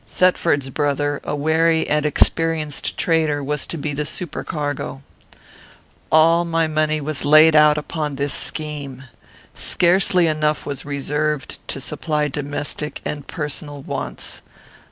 Thetford's brother, a wary and experienced trader, was to be the supercargo. "All my money was laid out upon this scheme. Scarcely enough was reserved to supply domestic and personal wants.